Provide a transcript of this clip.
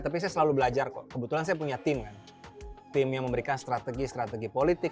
tapi saya selalu belajar kok kebetulan saya punya tim kan tim yang memberikan strategi strategi politik